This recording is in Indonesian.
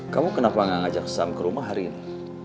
kamu kenapa gak ngajak sam ke rumah hari ini